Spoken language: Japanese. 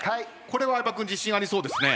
これは相葉君自信ありそうですね？